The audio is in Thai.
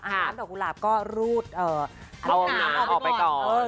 อาหารดอกกุหลาบก็รูดหนาวออกไปก่อน